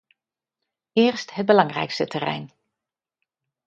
Eerst het belangrijkste terrein.